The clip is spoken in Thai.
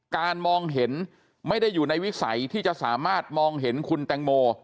มองเห็นไม่ได้อยู่ในวิสัยที่จะสามารถมองเห็นคุณแตงโม